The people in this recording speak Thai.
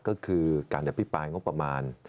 ก็คือการอภิปรายงบประมาณ